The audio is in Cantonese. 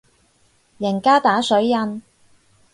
人手打水印